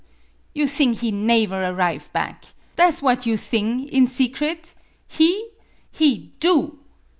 You thing he naever arrive back. Tha' 's what you thing in secret! He? He do!"